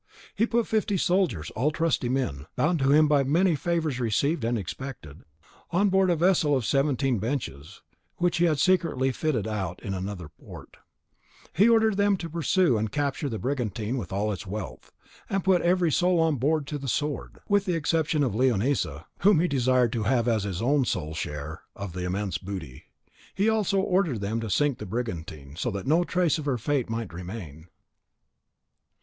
He put fifty soldiers, all trusty men, bound to him by many favours received and expected, on board a vessel of seventeen benches, which he had secretly fitted out in another port; and he ordered them to pursue and capture the brigantine with all its wealth, and put every soul on board to the sword, with the exception of Leonisa, whom he desired to have as his own sole share of the immense booty. He also ordered them to sink the brigantine, so that no trace of her fate might remain.